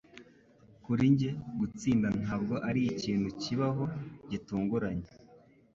Kuri njye, gutsinda ntabwo arikintu kibaho gitunguranye